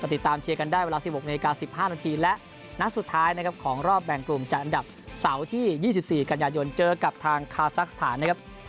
ติดตามเชียร์กันได้เวลา๑๖น๑๕นและนัดสุดท้ายของรอบแบ่งกลุ่มจากอันดับ๒๔กัญญาณยนต์เจอกับทางคาซักสถาน